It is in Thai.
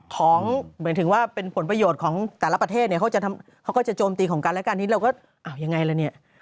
เหมือนถึงว่าเป็นผลโประโยชน์ของแต่ละประเทศเนี้ยเขาก็จะจโมมตีการการนี้